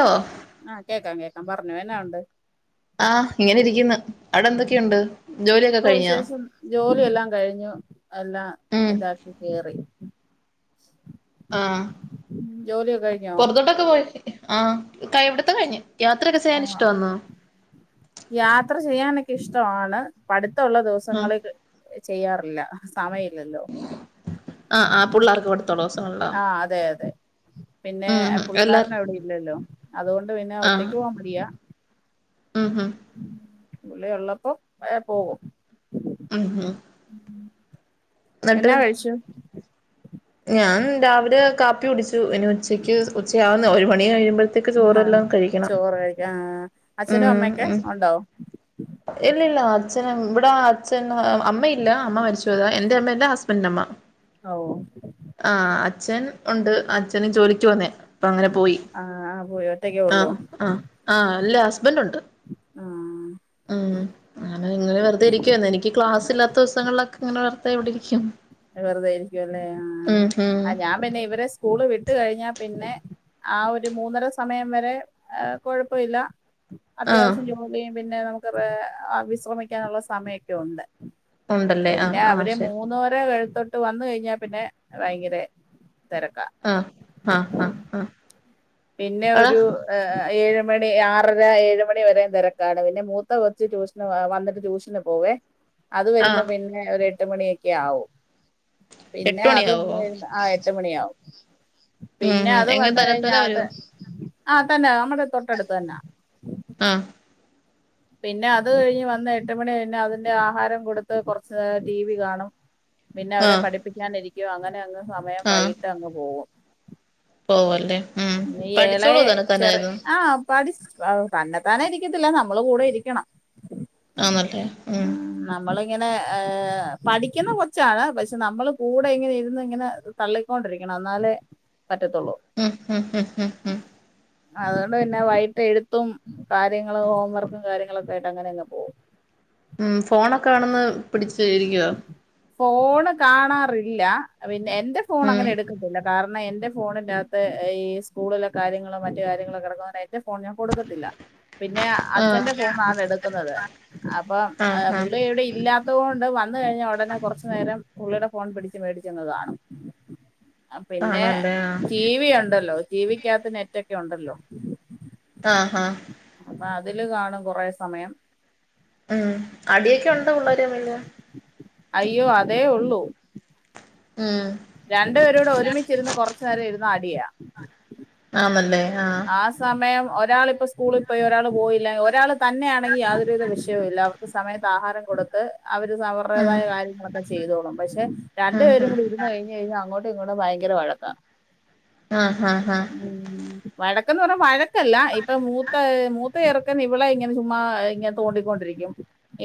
ഓ ആ കേക്കാം കേക്കാം. ഞാൻ പറഞ്ഞു എന്നാ ഉണ്ട്. ആഹ് ഇങ്ങനെ ഇരിക്കുന്നു. അവിടെ എന്തൊക്കെയുണ്ട് ജോലിയൊക്കെ ഓ കഴിഞ്ഞോ? വിശേഷം ജോലിയെല്ലാം കഴിഞ്ഞു. എല്ലാം ഇതാക്കി കേറി. [inaudible] ആ ജോലിയൊക്കെ കഴിഞ്ഞോ പുറത്തോട്ടൊക്കെ പോയ ആ ക ഇവിടത്തെ കഴിഞ്ഞു. യാത്രയക്കെ ചെയ്യൻ ഇഷ്ടമാന്നോ? ചെയ്യാനൊക്ക ഇഷ്ടമാണ് പഠ ത്തുള്ള ആഹ് ദിവസങ്ങളിൽ ചെയ്യാറില്ല. സമയമില്ലല്ലോ ആഹ് ആ പുള്ളർക്ക് പട്‌ത്തോള്ള ദിവസോം ആ അതെ അതെ. പിന്നെ ഉം പുള്ളിക്കാരന് എല്ലാരും അവിടെ ഇല്ലല്ലോ. അതുകൊണ്ട് പിന്നെ ഒറ്റക്ക് പോവാൻ മടിയ. ഉഹുഹ്. പുള്ളി ഒള്ളപ്പോ എ പോകും. ആഹഹാ. എന്നാ കഴിച്ചു? ഞാൻ രാവിലെ കാപ്പി കുടിച്ചു ഇനി ഉച്ചയ്ക്ക് ഉച്ചയാവുന്ന ഒരു മണി കഴിയു ആഹ് ചോറ് കഴിക്ക ആ അച്ഛനും ഉം അമ്മയൊക്കെ ഉം ഒണ്ടൊ? അച്ഛനം ഇവിടെ അച്ഛൻ അമ്മയില്ല അമ്മ മരിച്ചുപോയതാ എന്റെ അമ്മ എന്റെ ഹസ്ബൻഡെ അമ്മ. ഓ ആഹ് അച്ഛൻ ഒണ്ട് അച്ഛനും ജോലിക്ക് പോന്നയ. പ്പ അങ്ങനെ പോയി ആഹ് പോയി ഒറ്റക്കേ ആഹ് ആ ആഹ് അല്ല ഹസ് ബന്റോണ്ട്. ആ. ഉം അങ്ങനെ ങ്ങനെ വെറുതെ ഇരിക്കുവാന്ന് എനിക്ക് ക്ലാസില്ലാത്ത ദിവസങ്ങളിലൊക്കെ ഇങ്ങനെ വെറുതെവിടിരിക്കും. വെറുതെയിരിക്കുംല്ലേ ആ ഉം ആ ഞാൻ പിന്നെ ഇവരെ സ്കൂള് വിട്ട് കഴിഞ്ഞാ പിന്നെ ആ ഒരു മൂന്നര സമയം വരെ കൊഴപ്പഇല്ല. ആഹ് അത്യാവശ്യം ജോലിം പിന്നെ നമുക്ക് വിശ്രമിക്കാനുള്ള സമയെക്കെ ഉണ്ട്. ഉണ്ടല്ലേ ആഹ ആഹ ശരി വെഴുത്തോട്ട് വന്ന കഴിഞ്ഞാൽ പിന്നെ ഭയങ്കര തെരക്കാ ആഹ് ആഹ് ആഹ് ആഹ് പിന്നെ എടാ ഒരു ഏ ഏഴ് മണി ആറര ഏഴ് മണി വരെമ് തെരക്കാണ് പിന്നെ മൂത്ത കൊച്ച് ട്യൂഷന് വന്നിട്ട് ട്യൂഷന് പോവേ അത് വരുമ്പോ ആഹ് പിന്നെ ഒരെ എട്ട് മണിയൊക്കെ ആവും എട്ട് പിന്നെ അത് മണിയാവോ [unintelligible] ആ എട്ട് മണിയാവും പിന്നെ മ്ഹ് അത് വന്ന് കഴിഞ്ഞാ [unintelligible] അത് വരു [unintelligible] ആ തന്നെ നമ്മടെ തൊട്ടടുത്ത് തന്നാ ആഹ് പിന്നെ അത് കഴിഞ്ഞ് വന്ന് എട്ട് മണി കഴിഞ്ഞാൽ അതിന്റെ ആഹാരം കൊടുത്ത് കൊറച്ചു നേരം ടി വി കാണും പിന്നെവരെ ആഹ് പഠിപ്പിക്കാനിരിക്കും യോ അങ്ങനെ അങ് സമയം വൈകിട്ട് അങ് പോകും പോവ അല്ലേ ഏളെ ചെറിയ ആ പഠി തന്നെതാനെ ഇരിക്കത്തില്ല നമ്മൾ കൂടെ ഇരിക്കണം. ആന്നിട്ട് ഉ ഇങ്ങനെ ഏ പഠിക്കുന്ന കൊച്ചാണ് പക്ഷെ നമ്മള് കൂടെ ഇങ്ങനെ ഇരുന്ന് ഇങ്ങനെ തള്ളിക്കൊണ്ടിരിക്കണം എന്നാലേ പറ്റത്തുള്ളൂ. മ്ഹ് ഹ് ഹ് ഹ് അതുകൊണ്ട് പിന്നെ വൈകിട്ട് എഴുത്തും കാര്യങ്ങളും ഹോം വർക്കും കാര്യങ്ങളൊക്കെ ആയിട്ട് അങ്ങനെ അങ്ങനെങ്ങ്പോവും ഉം ഫോണൊക്കെ വേണെന്ന് പിടിച്ചിട്ടിരിക്കുവോ ഫോണ് കാണാറില്ല പി എന്റെ ഫോൺ ഉം അങ്ങനെ എടുക്കതില്ലാ കാരണം എന്റെ ഫോണിനകത്ത് ഈ സ്കൂളിലെ കാര്യങ്ങളോ മറ്റു കാര്യങ്ങളൊ കിടക്കുന്നതിനായിട്ട് എന്റെഫോൺ ഞാൻകൊടുക്കത്തില്ല പിന്നെ ആഹ് അച്ഛന്റെ ഫോണാണ് എടുക്കുന്നത് അപ്പോ ആഹ് ആഹ് ഇവിടെ ഇല്ലാത്തത് കൊണ്ട് വന്ന കഴിഞ്ഞാ ഉടനെ കൊറച്ചു നേരം പുള്ളിയുടെ ഫോൺ പിടിച്ച് മേടിച്ചൊന്ന് കാണും പിന്നെ ആണല്ലേ ആഹ് ടിവി ഉണ്ടല്ലോ ടിവിക്കകത്ത് നെറ്റക്കെ ഒക്കെ ഉണ്ടല്ലോ ആഹാ അപ്പൊ അതില് കാണും കൊറെ സമയം ഉം അടിയൊക്കെ ഉണ്ടാ പു ള്ളേര് മ്മില അയ്യോ അതേ ഉള്ളൂ ഉം രണ്ടു പേരൂടെ ഒരുമിച്ചിരുന്ന് കുറച്ചു നേരം ഇരുന്നു അടിയാ ഉ ആ മൻ ആ സമയം ഒരാളിപ്പോൾ സ്കൂളിൽ പോയി ഒരാൾ പോയില്ല ഒരാൾ തന്നെയാണെങ്കിൽ യാതൊരുവിധ വിഷയവും ഇല്ല സമയത്ത് ആഹാരം കൊടുത്ത് അവര് ഉം അവർടേതായ കാര്യങ്ങളൊക്കെ ചെയ്തോളും പക്ഷെ ഉം രണ്ട്പേരും ഉം കുടി ഇരുന്ന്കഴിഞ് കഴിഞ്ഞാൽ അങ്ങോടു ഇങ്ങൂടെ ഭയങ്കര വഴക്കാ ആഹ ഹഹ ഹാ ഇടക്കന്ന് പറഞ്ഞ വഴ ല്ല ഇപ്പോമൂത്ത മൂ ചെറുക്കൻ ഇവളെ ഇങ്ങനെ ചുമ്മാ ഇങ്ങനെ തോണ്ടിക്കൊണ്ടിരിക്കും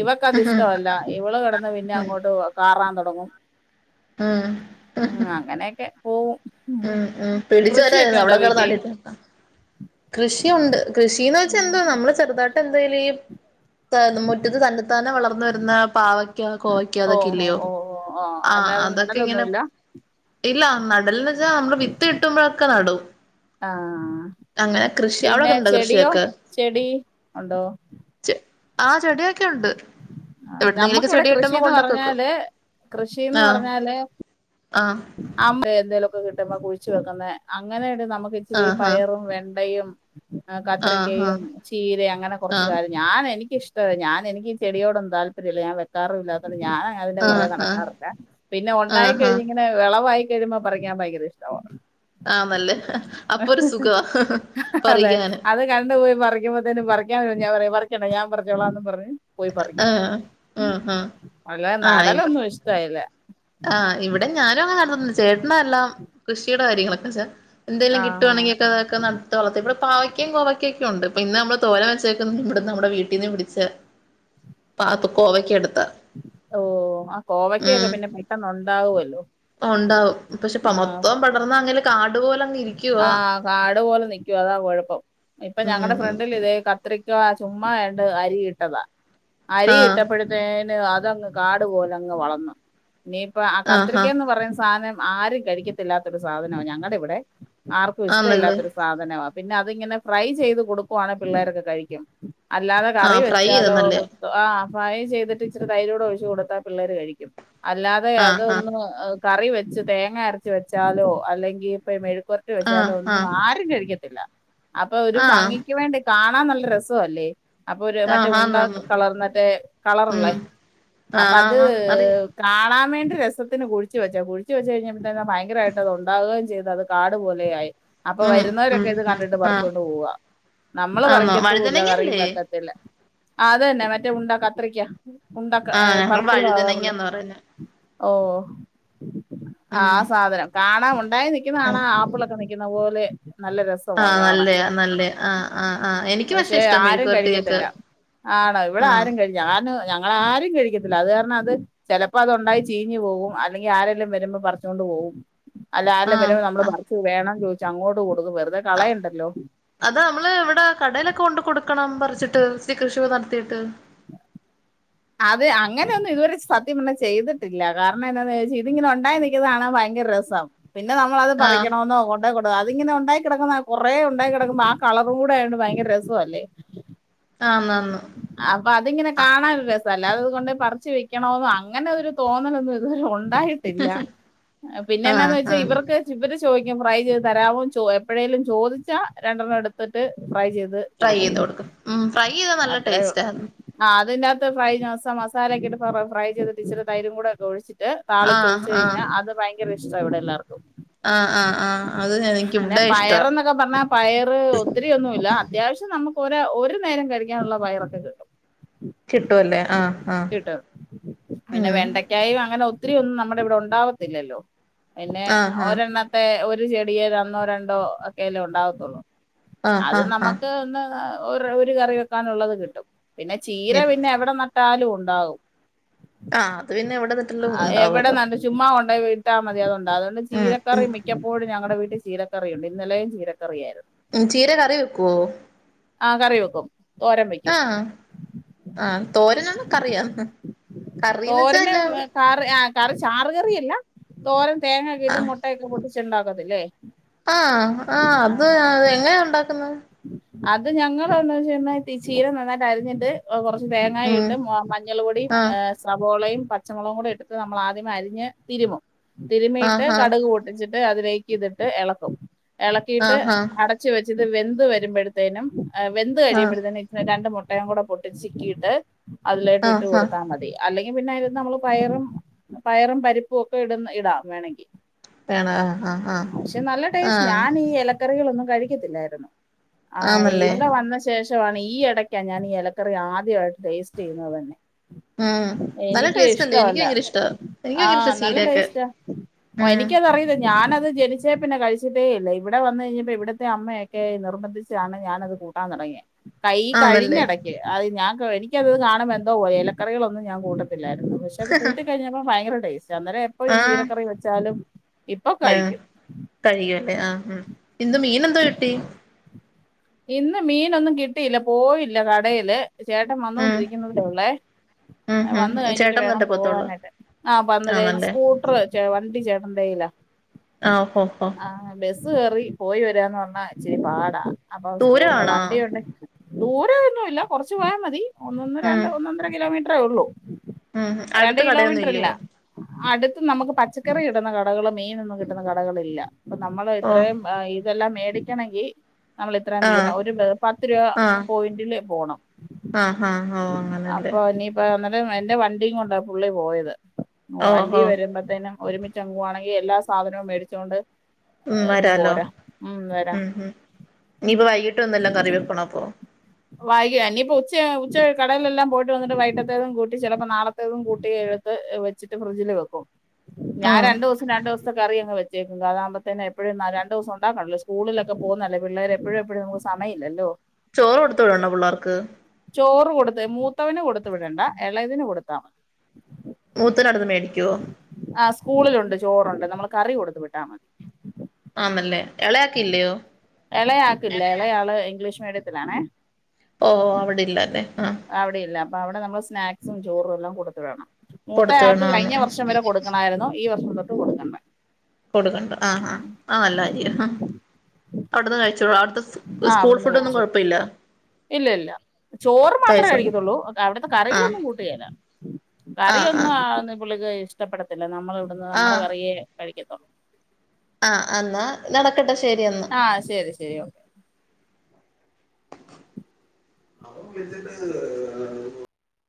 ഇവക്ക് അതിഷ്ടവ ഉം ല്ല ഇവള് കെ ടന്ന് പിന്നെ അങ്ങോട്ട് കാറാൻ തൊട ഡാങ്ങും ആങ്‌ഹ അങ്‌ഹ ഓ ഉം ഉം പിടിച്ചു വരുവാ അവിടെകിടന്നു വീട്ടിൽ അടിണ്ടക്ക് കൃഷിയൊണ്ട് കൃഷിന്ന് വെച്ചാ എന്താ നമ്മള് ചെറുതാ എന്തേലും ഈ [unintelligible] മുറ്റത്ത് തന്നെ ത്താനെ വളർന്ന് വരുന്ന പാവയ്ക്ക കോവയ്ക്ക ഓ അതൊക്കെ ഓ ഇല്ലയോ ഓ ഓ, ഓ ആ അല്ലാതെ അതൊക്കെ ഇങ്ങനെ നടലൊന്നുമില്ല ഇല്ല നടലന്ന് ച്ചാനമ്മള് വിത്ത് കിട്ടുമ്പഴൊക്കെ നടും ആ അങ്ങനെ കൃഷി പിന്നെ അവിടെക്കെണ്ടാ ചെടിയോ കൃഷിയൊക്കെ ചെടി ഉണ്ടോ ചെ ആ ചെടിയൊക്കെ ഉണ്ട് ആ എവിടുന്നെങ്കിലൊക്കെ ഞമ്മക്കിവിടെ ചെടി കിട്ടുമ്പ കൊണ്ടക്ക വെക്കും ഷീന്ന് ആഹ് പറഞ്ഞാല് ആഹ് ആ [unintelligible] എന്തേലൊക്കെ കിട്ടുമ്പ കുഴിച്ചു വെക്കുന്നെ അങ്ങന ഒരു ന നമുക്ക് ഇച്ചിരി ആഹ് പയറും, വെണ്ട യും. ആഹ് കത്രിക്കയും, ചീരയും അങ്ങനെ കൊർച്ച് ആഹ് കാര്യം ഞാൻ എനി ക്ക് ഇഷ്ടവായി. ഞാൻ എനിക്ക് ചെടിയോടൊന്നും താല്പര്യല്ല ഞാൻ വെക്കാറു ഇല്ലാത്ത ഞാൻ അതിന്റെ ആഹ് പൊറകെ ആഹ് ആഹ് നടക്കാറില്ല ആഹ് പിന്നെ ഒണ്ടായി ആഹ് കഴി ആഹ് വെളവായി കഴിയുമ്പം പറിക്കാൻ ഭയങ്കര ഇഷ്ടവാ. ആന്നല്ലേ അപ്പൊ ഒരു സുഖവാ അതെ പറിക്കാന് അത് കണ്ടു പോയി പറിക്കുമ്പഴുത്തേനും പറി ക്ക്യാൻ വരുമ്പം ഞാൻ പറയും പറിയ്ക്കണ്ട ഞാൻ പറിച്ചോളാ ന്നും പറഞ്ഞ് പോയി പറിക്കും. ആഹ് ആഹ് ആഹ് അല്ലാതെ നടലൊന്നും ഇഷ്ടവില്ല. ആങ്‌ഹ് ഇവിടെ. ഞാനും അങ്ങനെ നടതോന്നില്ല ചേട്ടനാ എല്ലാം കൃഷിയുടെ കാര്യങ്ങളൊക്കെ ചേ എന്തെലും ആഹ് ആഹ് കിട്ടുവാണെങ്കി ഒക്കെ അതൊക്ക നട്ട് വളത്തി ഇവിടെ പാവയ്ക്കേം കോവയ്ക്കേം ക്ക്യൊണ്ട്. ഇന്ന് നമ്മള് തോരൻ വെച്ചേക്കുന്ന ഇവിടന്നു നമ്മുടെ വീട്ടീന്ന് പിടിച്ച പാത്തു ക്കോവക്ക്യ എടു ഓ ആ കോവയ്ക്ക ഒക്കെ പിന്നെ പെട്ടെന്നൊൻ ണ്ടാവുവല്ലോ. ഒണ്ടാവും പക്ഷെ പ മൊത്തോം പടർന്നാ അങ്ങനെ കാ ആഹ് കാടു പോലെ നിക്കും. അതാ കൊഴപ്പം ഇപ്പ ഞങ്ങടെ ഉം ഫ്രണ്ടിലിതേ കത്റി ചുമ്മാ എതണ്ട് അരി ഇട്ടതാ അരി ആഹ് ഇട്ടപ്പോഴത്തേ ന്ന് അതങ്ങ് കാട് പോലങ്ങ് വളർന്നു ഇനീപ്പ ആ ആഹ് ആഹ് കത്രിക്കേന്ന് പറയുന്ന സാനം ആരും കഴിക്കത്തില്ലാത്തൊരു സാധനമാ ഞങ്ങടെ ഇവിടെ ആർക്കും ഇഷ്ട ആന്നല്ലേ ഇല്ലാത്തൊരു സാധനവ പിന്നെ അതിങ്ങനെ ഫ്രൈ ചെയ്ത് കൊടുക്കുവാണേ പിള്ളേരൊക്കെ കഴിക്കും അല്ലാതെ കറി ആഹ് ഫ്രൈ ചെയ്ത വെച്ചാലോ നല്ലയാ വെപ് ആ ഫ്രൈ ചെയ്ട്ട് ഇച്ചിരി തൈരോടെ ഒഴിച്ച് കൊടുത്താ പിള്ളേര് കഴിക്കും അല്ലാതെ ആഹ് അതൊന്ന് ഏഗ് കറി വെച്ച് തേങ്ങ അരച്ച് വെച്ചാലോ അല്ലെങ്കിപ്പ മെയ്‌ കോർട്ടി ആഹ് വെച്ചാലോ ആഹ് ഒന്നും ആഹ് ആരും കഴിക്ക ത്തില്ല അപ്പ ഒരു ആഹ് ഫങ്ങിക്ക് വേണ്ടി കാണാൻ നല്ല രസംല്ലേ അപ്പൊ ഒരു മറ്റേ ആഹ് ഉണ്ട ആന്നാന്ന് കളർ മറ്റേ ഉം കളറ്ള്ളേ അപ്പൊ ആഹ് അത് ആഹ് അറിയാം കാണാ ആ വേണ്ട രസത്തി കുഴിച്ച് വെച്ചാ കുഴിച്ച് വെചേപ്പത്തിനും ഭയങ്കരായിട്ടത് ഉണ്ടാവുകേം ചെയ്തു. കാട് പോലെയായി അപ്പൊ ഉം ഉം വരുന്നവരൊക്കെ ഇത് ഉം കണ്ടിട്ട് ആഹ് പറിച്ചൊണ്ട് പോവാ നമ്മള് ആന്നോ പറിക്കത്തൂല്ല കറിയും വഴുതനങ്ങല്ലേ വെക്കത്തില്ല ആ അതന്നെ മറ്റേ ഉണ്ട കാത്രിയ്ക്കാ. ഉണ്ടക്ക ഏ ആഹ് ഞങ്ങൾ പറപ്പിൾ കളറില് വഴുതനങ്ങാന്ന് പറയുന്നെ ഓ ആ ഉം സാധനം കാണാൻ ഉണ്ടായി ന ആണ ഉം ആപ്പിലൊക്കെ പറിക്കുന്ന പോലെ നല്ല രസമാ ആഹ് കാണൻ നല്ലയാ നല്ലയാ ആഹ് ആഹ് ആഹ് എനിക്ക് പക്ഷെ ഇഷ്ടാ ആരും മെഴുക്കുവരട്ടിയൊക്കെ കഴിക്കത്തില്ല ആണോ ഇവിടെ ആഹ് ആരും കഴിക്കത്തില്ല ഞാന് ഞ ആരും കഴിക്കത്തില്ല അത് കാരണം അത് ചെലപ്പത് ണ്ടായി ചീഞ് പോകും അല്ലെങ്കി ആരെങ്കിലും വരുമ്പോ പറച്ചുകൊണ്ട് പോവും അല്ല ആല നമ്മള് പറിച്ച് വേണം ച്ചോ ച് അങ്ങോട്ട് വെറുതെ ആ കളയണ്ടല്ലോ അത് നമ്മള് ഇവിടെ കടയിലൊക്കെ കൊണ്ട് കൊടുക്ക കണം പറിച്ചിട്ട് കൃഷി നട ത്തിട്ട് അത് അങ്ങനെയൊന്നും ഇതുവരെ സത്യം പിന്നെ ചെയ്തിട്ടില്ല കാരണം എന്താന്ന് വെച്ച ഇതിങ്ങനെ ഉണ്ടായി നിൽക്കുന്നത് കാണാൻ ഭയങ്കര രസ പിന്നെ നമ്മളത് ആഹ് പറിക്കണോന്നോ ഉ ണ്ടട അതിങ്ങനെ ഉണ്ടാക്കി കിടക്കുന്ന കൊറെ ഉണ്ടാക്കി കിടക്ക്മ്പോ ആ കളർ കൂടെ ആകുമ്പോ ഭയങ്കര രസല്ലേ ആ നന്നു അപ്പൊ അതിങ്ങനെ കാണാനൊ ഒരു രസ അല്ലാദേ അതകൊണ്ട് പറിച് വിക്കണോന്ന് അങ്ങനെരു തോന്നലൊന്നും ഇതുവരെ ഉണ്ട് ഉണ്ടായിട്ടില്ല ആഹ് പിന്നെ ആഹ് എന്താന്ന് വെച്ചാൽ ആഹ് ഇവർക്ക് ഇവർ സ് ചോദിക്കും ഫ്രൈ ചെയ്ത് തരാവോ ചോ എപ്പോഴെേലും ചോദിച്ചാ രണ്ടെണ്ണം എടുത്തിട്ട് ഫ്രൈ ചെയ്ത് ഫ്രൈ ചെയ്ത് കൊടുക്കും മ് ഫ്രൈ ചെയ് അത്രയുള്ളൂ ആ അതിനകത്ത് ഫൈ മസ മസാലൊക്കെ ഇട്ട് പറ ഫ്രൈ ചെയ്തിട്ട് ഇച്ചരി തൈരും കൂടെ ഒഴിച്ചു ട്ട് താളിച്ചു ആഹ് ഒയിച്ചു കയിഞ്ഞ ആഹ് അത് ഭയങ്ക ങ്കര ഇഷ്ടവിടെ എല്ലർക്കും ആഹ് ആഹ് ആഹ് അത് എനിക്ക് പിന്നെ ഇവിടെ ഇഷ്ടാ പയർ എന്നൊക്കെ പറഞ്ഞാ പയറ് ഒത്തിരി ഒന്നുല്ല അത്യാവശ്യം നമക്ക് ഒ ഒരു നേരം കഴി ക്കാന്ള്ള പയറൊക്കെ കേിട്ടും കിട്ടുവ അല്ലേ ആഹ ട്ട പിന്നെ വെണ്ടയ്ക്കായ അങ്ങനെ ഒത്തിരിയൊന്നും നമ്മുടെ ഇവിടെ ഉണ്ടാവത്തില്ലല്ലോ പിന്നെ ആഹ് ആഹ് ഒരെണ്ണത്തെ ഒരു ഒരു ചെടിയൽ ഒന്നോ രണ്ടോ ഒക്കെല്ലെ ഉണ്ടാവത്തുള്ളൂ ആഹ് അത് ആഹ് ആഹ് നമുക്ക് ഇന്ന് ഒരു കറി വെക്കാനുള്ളത് കിട്ടും പിന്നെ ചീര ഗെറ്റ് പിന്നെ എവിടെ ട്ടാൽ ഉണ്ടാവും ആഹ ആ എവിടെ നട്ട് ചുമ്മാ കൊണ്ട വിട്ടാ മതി അതണ്ടോ അതുകൊണ്ട് ഉം ചീരക്കറി മിക്കപ്പോഴും ഞങ്ങളടെ വീട്ടിൽ ചീരക്കറിയുണ്ട് ഇന്നലെയും ചീരക്കറിയായിരുന്നു ഉ ചീര കറി വെക്കുവോ ആ കറി വെക്കും തോരൻ വെക്കും ആഹ് ആഹ തോരനന്നൊക്കെ അറിയാം തോരന് കറി കറി ചാറ് കറിയല്ല ോർ തങ്ങ കേട്ട മുട്ടയക്കെട്ട് ഉണ്ടാക അല്ലേ ആഹ ആഹ അത് എങ്ങനെയാ ഉണ്ടാക്കുന്നത് അത് ഞങ്ങ എന്താ വെച്ചഈ ചീര നന്നായിട്ട് അരിഞ്ഞിട്ട്റ തേങ്ങായി ഉം ഇട്ടും മഞ്ഞൾ പൊടിയും് ആഹ് സ്രവോളയും പച്ചമുളകും കൂടി ഇട്ട് നമ്മൾ ആദ്യം അരിഞ്ഞ് തിരുമും തരുമിട്ട് ആഹ് കടുക് പട്ടിച്ചിട്ട ് അതിലേക്ക് ഇതിട്ട് ഇളക്കും ഇളക്കിയിട്ട് ആഹ് ആഹ് അടച്ച വെച്ച്ി വ ത് വരുമ്പോഴത്തേനും വെന്ത് ആഹ് കഴിയുമ്പോഴത്തന്നെ രണ്ട്ട്ട പം കൂടെ പട്ടി ചിക്കിയിട്ട് അതിലോട്ട് ആഹ് ഇട്ട് ആഹ് ആഹ് കൊടുത്താൽ മതി അല്ലെങ്കിൽ പിന്നെ അതി നമ്മള് പയറും പയറും പരിപ്പും ഒക്കെ ഇടന്ന് ഇടാം വേണമെങ്കിൽ വേണോ ആഹ് ആഹ് ആഹ് പക്ഷെ നല്ല ടേസ്റ്റ് ആഹ് ഞാൻ ഈ ഇലക്കറികളൊന്നും കഴിക്കത്തില്ലായിരുന്നു ആഹ് ആന്നല്ലേ ഇവിടെ വന്ന ശേഷം ഈ ഇടക്ക ഞാ ഇലക്കറി ആദ്യമായി േസ്റ്റ് ചെയ തന്നെ ഉം നല്ല എനിക്ക് ടേസ്റ്റ് അല്ലേ എനിക്ക് ഇഷ്ടമല്ല ഭയങ്കര ഇഷ്ടാ എനിക്ക് ആ ഭയങ്കര ഇഷ്ടാ നല്ല ചീരയൊക്കെ ടേസ്റ്റ് ഓ ഉം എനിക്കത അറിയത് ഞാന അ ജനിച്ചേ പിന്നെ കഴിച്ചിട്ടേ ഇല്ല ഇവിടെ വന്ന് കഴിഞ്ഞപ്പോ ഇവിടത്തെ അമ്മയൊക്കെ നി- ഞാനത് കൂട്ടാ തുടിയത് കൈ ആന്നല്ലേ കഴിഞ്ഞിടക്ക് അത് ഞാൻ- എനിക്കത് കാുമ്പോ എന്തോ ഇലറികൊന്നും ഞാൻ കൂട്ടത്തില്ല ായി [unintelligible] പക്ഷെ അ കൂട്ടി കഴിഞ്ഞപ്പോ ഭയങ്കര ത [unintelligible] ചന്ദന എപ്പൊ ഈ ചീരക്കറി വെച്ചാലും ഇപ്പൊ ആഹ കഴിക്കും കഴിയുംല്ലേ ആഹ ഉ ഇന്ത് മീന എന്തോ കിട്ടി? ഇന്ന് മീനൊന്നും കിട്ടിയില്ല പോയില്ല കടയില് ചേട്ടൻ ഉം വന്നൊണ്ടിരിക്കുന്നതിലേ ഉള്ളേ ഉം ഉം വന്ന കഴിഞ്ഞിട്ട് ചേട്ടൻ വേണം വന്നിട്ടേ പോവത്തുള്ളൂ പോവാനായിട്ട് ആ വന്നില്ലേ ആണല്ലേ സ്കൂട്ടർ- ചേട്ടന്റെ കയില്ലാ ആഹോഹോ ബസ് കേറി പോയി വരാന്ന് പറഞ്ഞാ ഇച്ചിരി പാടാ അപ്പൊ സ്കൂട്ടർ ദൂരമാണോ വണ്ടിയുണ്ട് ദൂരം ഒന്നുംല്ല കൊറച്ചു പോയാ മതി ഒന്നൊന്ന് ഉം രണ്ട് ഒന്നൊന്നര കിലോമീറ്ററ് അത്രയേ ഉള്ളൂ ഉം അടുത്ത് കടയൊന്നും ഇല്ലയോ അടുത്തും നമുക്ക് പച്ചക്കറി കിട്ടുന്ന കടകളോ മീനൊന്നും കിട്ടുന്ന കടകളോല്ല അപ്പ നമ്മള് ഓ ഇത്രയും ഇതെല്ലാം മേടി കിട്ടാണോങ്കിൽ നമ്മള് ഇത്രയും ആഹ് ദൂരം ഒരു പത്ത് രൂപ പോയിന്റില് പോണം ആ ആ ഓ അങ്ങനെല്ലേ അപ്പൊ ഇനിയിപ്പോ എന്റെ വണ്ടിയും കൊണ്ടാ പുള്ളി പോയത് ഓ വണ്ടി ഓഹോ വരുമ്പോത്തേനും- ഒരുമിച്ച് അങ്ങുവാണെങ്കില് എല്ലാ സാധനവും മേടിച്ചുകൊണ്ട്- ഉം ഇങ്ങ് വരാലോ പോരാം ഉം വരാം ഇനി ഇപ്പോ വൈകിട്ടെന്തേല്ലം കറി വെക്കണോ അപ്പൊ ആ.. വായിക ഇനിയിപ്പ ഉച്ച ഉച്ച കടേലെല്ലാം പോയിട്ട് വന്നിട്ട് വൈകിട്ടത്തേതും കൂട്ടി ചിലപ്പോ നാളത്തേതും കൂട്ടി എടുത്ത് വെച്ചിട്ട് ഫ്രിഡ്ജില് വെക്കും. ഞാൻ ഉം രണ്ടു ദിവസം രണ്ട് ദിവസത്തെ കറി അങ്ങ് വെക് വെക്കും അതാക്പോത്തേന് എപ്പഴും രണ്ട് ദിവസം ഉണ്ടാക്കണല്ലോ സ്കൂളിലൊക്കെ പോകുന്നതല്ലേ പിള്ളേരെ എപ്പഴും എപ്പഴും നമക്ക് സമയമില്ലല്ലോ ചോറ് കൊടുത്തു വിടണോ പിള്ളേർക്ക്. ചോറ് കൊടുത്ത് മൂത്തവന് കൊടുത്ത് വിടണ്ട ഇളതിന് കൊടുത്താ മതി മൂത്തനവിടന്ന് മേടിക്കുവോ ആ സ്കൂളിലുണ്ട് ചോറുണ്ട് നമ്മൾ കറി കൊടുത്ത് വിട്ടാ മതി. ആണല്ലേ. എളയാക്കില്ല എളയാള് ഇംഗ്ലീഷ് മീഡിയത്തിലാണെ ഓ അവിടെയില്ലല്ലേ ആ അവിടെയില്ല അപ്പൊ അവിടെ നമ്മൾ സ്നാക്സും ചോറും എല്ലാം കൊടുത്ത് വിടണം മൂത്തയാൾക്ക് കൊടുത്തണന്ന് കഴിഞ്ഞ വർഷം വരെ കൊടുക്കണാരുന്നു ഈ വർഷം തൊട്ട് കൊടുക്കണ്ട. കൊടുക്കണ്ട ആഹ് ആഹ് ആ നല്ലാര്യാ ആ അവിടുന്ന് കഴിച്ചോളൂം അവിടു സ് ആ സ്കൂൾ അവിടുന്ന് ഫുഡ് ഒന്നും കഴിച്ചോളും കൊഴപ്പല്ല്യ. ഇല്ല ഇല്ല ചോറ് മാത്ര കഴിക്കത്തുള്ളൂ അവിടുത്തെ ആഹ് കറികളൊന്നും കൂട്ടുകെല്ല കറി ആഹ് ഒന്നും ആഹ് ആ ന്ന് പുള്ളിക്ക് ഇഷ്ടപ്പെടത്തി ല്ല നമ്മടെ ഇവിടുന്ന് നമ്മടെ ആഹ് കറിയെ കഴിക്കത്തോ ആഹ് എന്നാ നടക്ക് ആഹ് ശരി ശരി ഓക്കെ അവൻ വിളിച്ചിട്ട് ആ